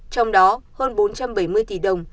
trong đó hơn bốn trăm bảy mươi tỷ đồng